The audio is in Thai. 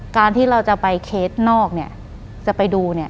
การที่เราจะไปเคสนอกจะไปดู